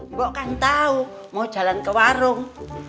mbok kan tahu mau jalan ke warung